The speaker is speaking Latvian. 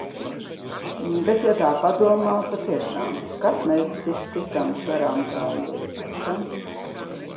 Bet, ja tā padomā, patiešām – kas cits mēs cits citam, garāmgājēji, esam?